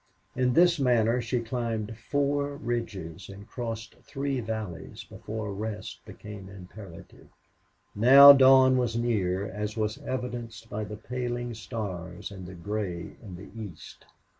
In this manner she climbed four ridges and crossed three valleys before a rest became imperative. Now dawn was near, as was evidenced by the paling stars and the gray in the east.